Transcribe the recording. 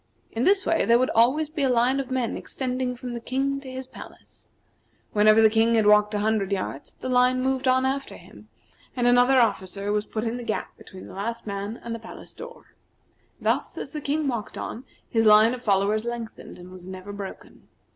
In this way there would always be a line of men extending from the King to his palace. Whenever the King had walked a hundred yards the line moved on after him, and another officer was put in the gap between the last man and the palace door. Thus, as the King walked on, his line of followers lengthened, and was never broken.